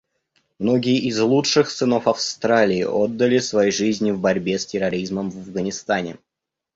Многие из лучших сынов Австралии отдали свои жизни в борьбе с терроризмом в Афганистане.